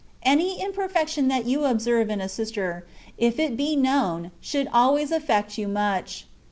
Any imperfection that you observe in a sister, if it be known, should always affect you much.